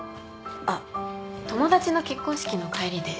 あっ友達の結婚式の帰りで。